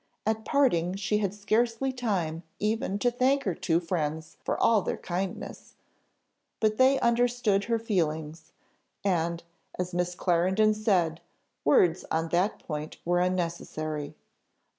At parting she had scarcely time even to thank her two friends for all their kindness, but they understood her feelings, and, as Miss Clarendon said, words on that point were unnecessary.